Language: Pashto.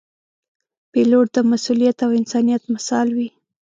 پیلوټ د مسؤلیت او انسانیت مثال وي.